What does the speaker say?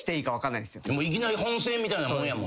いきなり本戦みたいなもんやもんな。